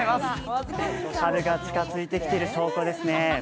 春が近づいてきている証拠ですね。